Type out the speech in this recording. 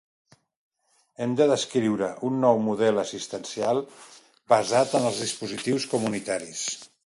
Hem de descriure un nou model assistencial basat en els dispositius comunitaris.